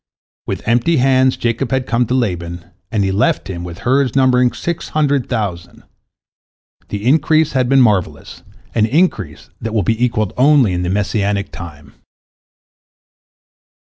With empty hands Jacob had come to Laban, and he left him with herds numbering six hundred thousand. Their increase had been marvellous, an increase that will be equalled only in the Messianic time.